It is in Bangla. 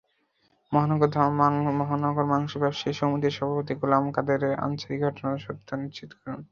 মহানগর মাংস ব্যবসায়ী সমিতির সভাপতি গোলাম কাদের আনসারী ঘটনার সত্যতা নিশ্চিত করেন।